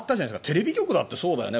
テレビ局だってそうだよね。